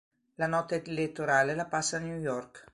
La notte elettorale la passa a New York.